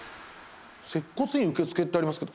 接骨院受付ってありますけど。